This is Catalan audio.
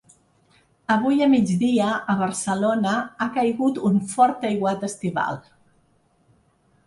Avui a migdia a Barcelona ha caigut un fort aiguat estival.